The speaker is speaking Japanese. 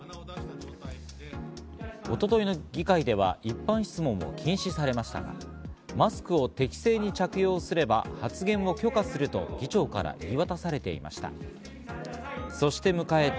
一昨日の議会では一般質問を禁止されましたが、マスクを適正に着用すれば発言を許可すると議長から言い渡されていました。